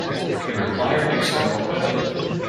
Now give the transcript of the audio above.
It required external equipment.